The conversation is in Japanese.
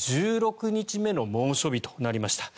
１６日目の猛暑日となりました。